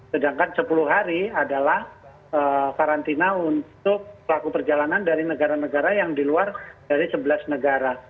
sedangkan sepuluh hari adalah karantina untuk pelaku perjalanan dari negara negara yang di luar dari sebelas negara